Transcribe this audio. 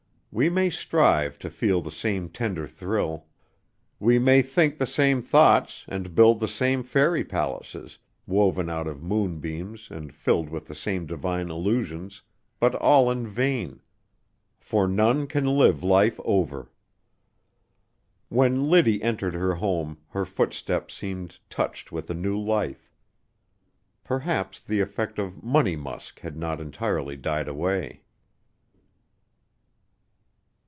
We may strive to feel the same tender thrill; we may think the same thoughts and build the same fairy palaces, woven out of moonbeams and filled with the same divine illusions, but all in vain, for none can live life over. When Liddy entered her home her footsteps seemed touched with a new life. Perhaps the effect of "Money Musk" had not entirely died away.